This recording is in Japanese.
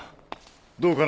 どうかな？